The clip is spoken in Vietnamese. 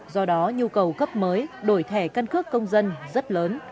do đó nhu cầu cấp mới đổi thẻ căn cước công dân rất lớn